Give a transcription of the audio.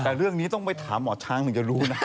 แต่เรื่องนี้ต้องไปถามหมอช้างถึงจะรู้นะ